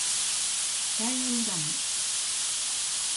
ダイアグラム